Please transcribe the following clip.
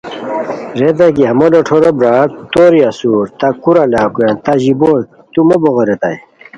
ریتائے کی ہمو لوٹھورو برار توری اسور تہ کورا لاکویان تہ ژیبوئے تو موبوغے ریتائے